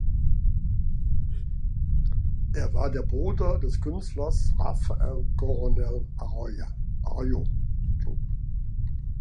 Er war der Bruder des Künstlers Rafael Coronel Arroyo.